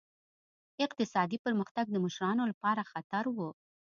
اقتصادي پرمختګ د مشرانو لپاره خطر و.